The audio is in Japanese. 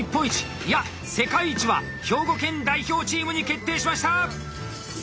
いや世界一は兵庫県代表チームに決定しました！